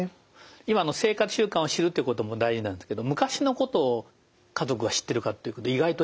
今の生活習慣を知るということも大事なんですけど昔のことを家族は知ってるか意外と知られないんですよね。